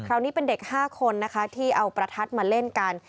คราวนี้เป็นเด็ก๕คนที่เอาประทัดมาเล่นกัน